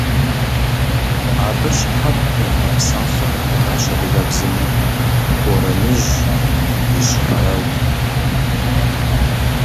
Абы щыхьэт техъуэ псалъэ къыхэнащ адыгэбзэми – «борэныжь», ищхъэрэжь.